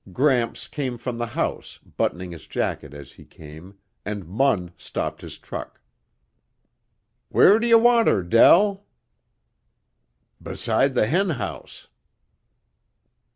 Gramps came from the house, buttoning his jacket as he came, and Munn stopped his truck. "Where do you want her, Del?" "Beside the hen house."